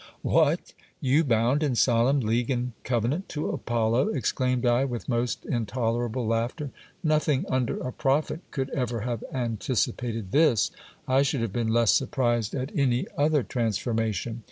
What ! you bound in solemn league and covenant to Apollo ? exclaimed I with most intolerable laughter. Nothing under a prophet could ever have an ticipated this. I should have been less surprised at any other transformation.